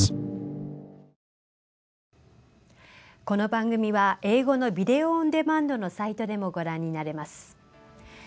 この番組は英語のビデオオンデマンドのサイトでもご覧になれます。